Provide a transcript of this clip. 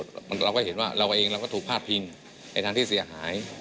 เราก็เห็นว่าเราเองเราก็ถูกพาดพิงในทางที่เสียหาย